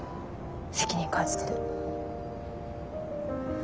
責任感じてる。